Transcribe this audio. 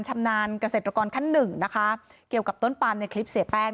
ชำนาญเกษตรกรขั้นหนึ่งนะคะเกี่ยวกับต้นปามในคลิปเสียแป้ง